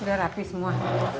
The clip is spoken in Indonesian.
udah rapih semua